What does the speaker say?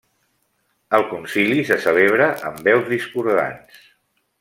El concili se celebra amb veus discordants.